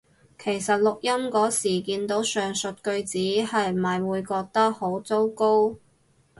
其實錄音嗰時見到上述句子係咪會覺得好糟糕？